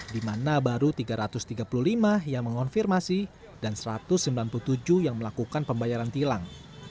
di mana baru tiga ratus tiga puluh lima yang mengonfirmasi dan satu ratus sembilan puluh tujuh yang melakukan pembayaran tilang